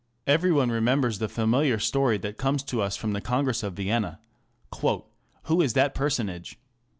Every one remembers the familiar story that comes to us from the Congress of Vienna ŌĆö " Who is that personage